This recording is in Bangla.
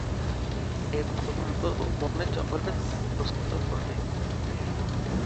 এরা প্রধানত বনে জঙ্গলে থাকতেই পছন্দ করে।